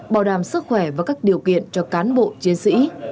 bảo đảm sức khỏe và các điều kiện cho cán bộ chiến sĩ